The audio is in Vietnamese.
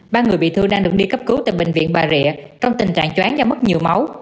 ba người bị thương đang được đi cấp cứu tại bệnh viện bà rịa trong tình trạng chóng do mất nhiều máu